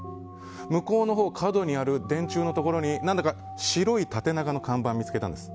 向こうのほう角にある電柱のところに何だか、白い縦長の看板を見つけたんです。